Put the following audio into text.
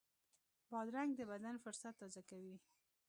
بادرنګ د بدن فُرصت تازه کوي.